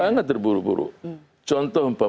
sangat terburu buru contoh